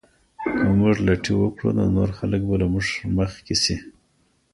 که موږ لټي وکړو نو نور خلګ به له موږ مخکې سي.